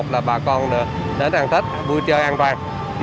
là bà con được đến ăn thích vui chơi an toàn